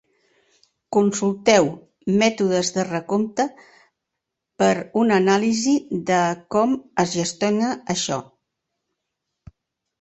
Consulteu "Mètodes de recompte" per a una anàlisi de com es gestiona això.